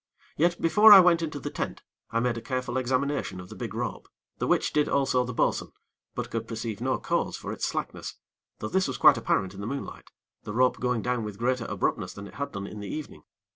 Yet, before I went into the tent, I made a careful examination of the big rope, the which did also the bo'sun, but could perceive no cause for its slackness; though this was quite apparent in the moonlight, the rope going down with greater abruptness than it had done in the evening.